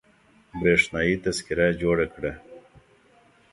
برېښنايي تذکره جوړه کړه